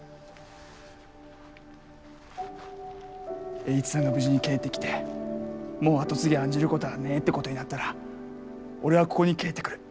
栄一さんが無事に帰ってきてもう跡継ぎは案じるこたあねぇってことになったら俺はここに帰ってくる。